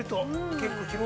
結構。